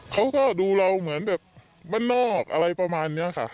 เขาก็ดูเราเหมือนแบบบ้านนอกอะไรประมาณนี้ค่ะ